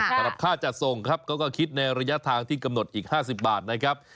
สำหรับค่าจัดส่งครับเขาก็คิดในระยะทางที่กำหนดอีก๕๐บาทนะครับ